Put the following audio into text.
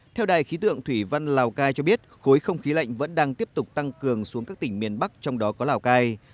theo đài khí tượng thủy văn lào cai cho biết khối không khí lạnh vẫn đang tiếp tục tăng cường xuống các tỉnh miền bắc trong đó có lào cai